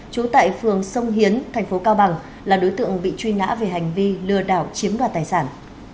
trú tại phường sông hiến thành phố cao bằng là đối tượng bị truy nã về hành vi lừa đảo chiếm đoạt tài sản